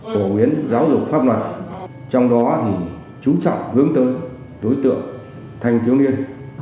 phổ biến giáo dục pháp luật trong đó thì chú trọng hướng tới đối tượng thanh thiếu niên